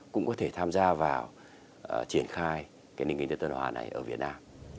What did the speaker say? cũng có thể tham gia vào triển khai cái nền kinh tế tuần hoàn này ở việt nam